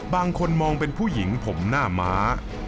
บางคนมองเป็นผู้หญิงผมหน้าม้า